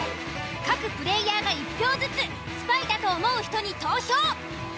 各プレイヤーが１票ずつスパイだと思う人に投票。